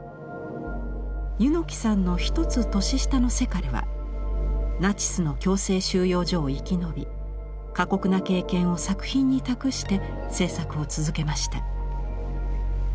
柚木さんの１つ年下のセカルはナチスの強制収容所を生き延び過酷な経験を作品に託して制作を続けました。